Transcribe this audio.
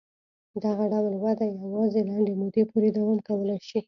دغه ډول وده یوازې لنډې مودې پورې دوام کولای شي.